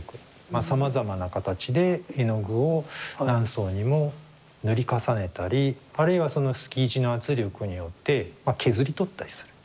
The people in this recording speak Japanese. まあさまざまな形で絵の具を何層にも塗り重ねたりあるいはそのスキージの圧力によって削り取ったりする。